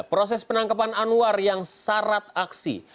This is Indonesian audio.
proses penangkapan anwar yang syarat aksi